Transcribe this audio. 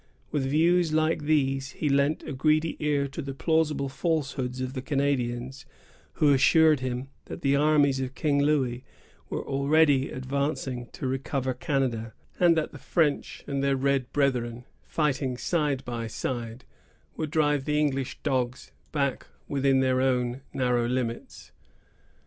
With views like these, he lent a greedy ear to the plausible falsehoods of the Canadians, who assured him that the armies of King Louis were already advancing to recover Canada, and that the French and their red brethren, fighting side by side, would drive the English dogs back within their own narrow limits.